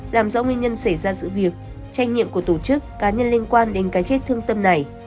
làm rõ nguyên nhân xảy ra sự việc trách nhiệm của tổ chức cá nhân liên quan đến cái chết thương tâm này